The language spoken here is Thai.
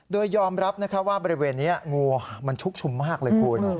โดยยอมรับว่าบริเวณนี้งูมันชุกชุมมากเลยคุณ